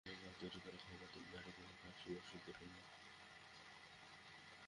শিশুকে ঘরে তৈরি করা খাবার দিন, বাইরের কোনো কাশির ওষুধ দেবেন না।